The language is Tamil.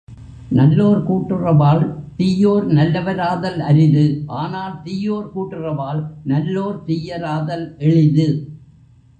நல்லோர் கூட்டுறவால் தீயோர் நல்லவராதல் அரிது ஆனால் தீயோர் கூட்டுறவால் நல்லோர் தீயராதல் எளிது.